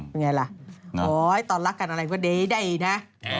เป็นไงล่ะโอ๊ยตอนรักกันอะไรก็ได้นะ